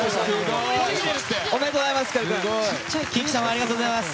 ありがとうございます。